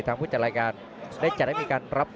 ผู้จัดรายการได้จัดให้มีการรับ